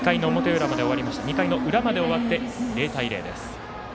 ２回の裏まで終わって０対０です。